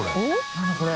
何だこれ。